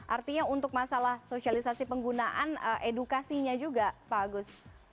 artinya untuk masalah sosialisasi penggunaan edukasinya juga pak agus